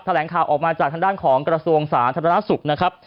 แหลงข่าวออกมาจากทางด้านของกระทรวงสาธารณสุขนะครับ